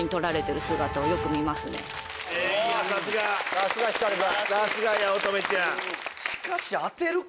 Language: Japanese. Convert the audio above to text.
さすが光くん。